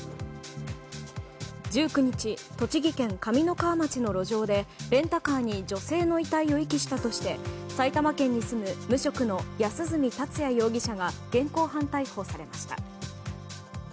１９日、栃木県上三川町の路上でレンタカーに女性の遺体を遺棄したとして埼玉県に住む無職の安栖達也容疑者が現行犯逮捕されました。